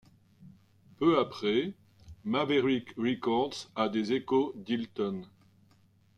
Peu après, Maverick Records a des échos d'Hilton.